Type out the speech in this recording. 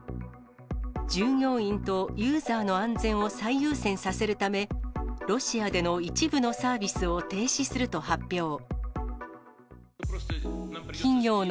従業員とユーザーの安全を最優先させるため、ロシアでの一部のサービスを停止すると発表。